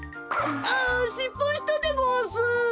ああっしっぱいしたでごわす。